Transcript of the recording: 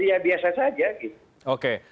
ya biasa saja